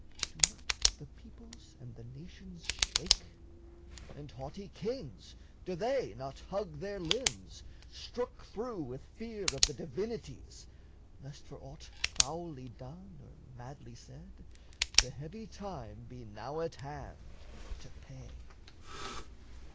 Do not the peoples and the nations shake, And haughty kings do they not hug their limbs, Strook through with fear of the divinities, Lest for aught foully done or madly said The heavy time be now at hand to pay?